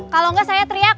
kalau enggak saya teriak